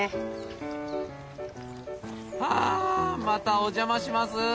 またお邪魔します。